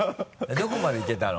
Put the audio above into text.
どこまでいけたの？